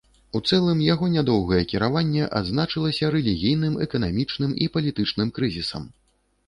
У цэлым яго нядоўгае кіраванне адзначалася рэлігійным, эканамічным і палітычным крызісам.